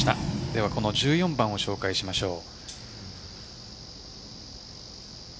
では１４番を紹介しましょう。